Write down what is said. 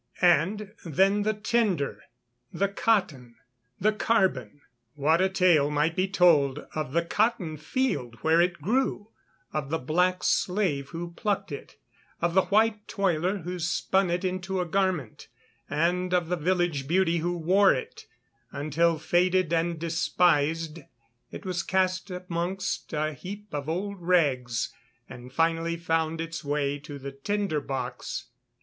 And then the tinder the cotton the carbon: What a tale might be told of the cotton field where it grew, of the black slave who plucked it, of the white toiler who spun it into a garment, and of the village beauty who wore it until, faded and despised, it was cast amongst a heap of old rags, and finally found its way to the tinder box.